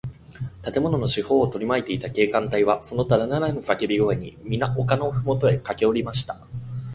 建物の四ほうをとりまいていた警官隊は、そのただならぬさけび声に、みな丘のふもとへかけおりました。